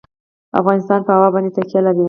افغانستان په هوا باندې تکیه لري.